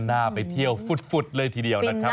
น่าไปเที่ยวฟุดเลยทีเดียวนะครับ